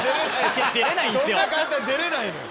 そんな簡単に出れないのよ。